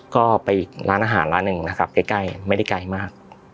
ก็ไปอีกร้านอาหารร้านหนึ่งนะครับใกล้ไม่ได้ไกลมาก